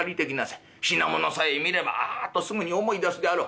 品物さえ見ればあっとすぐに思い出すであろう。